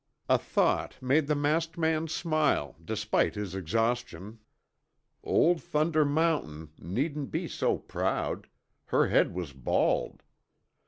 A thought made the masked man smile despite his exhaustion. Old Thunder Mountain needn't be so proud her head was bald.